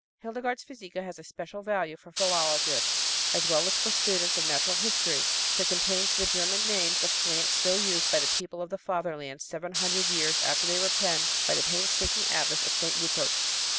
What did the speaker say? Hildegard's Physica has a special value for philologists, as well as for students of natural history, for it contains the German names of plants still used by the people of the Fatherland seven hundred years after they were penned by the painstaking abbess of St. Rupert's.